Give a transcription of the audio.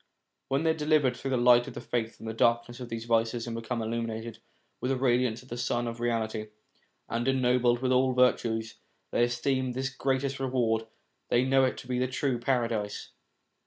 When they are delivered through the light of faith from the dark ness of these vices, and become illuminated with the radiance of the sun of reality, and ennobled with all the virtues, they esteem this the greatest reward, and they know it to be the true paradise.